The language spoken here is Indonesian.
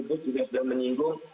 itu juga sudah menyinggung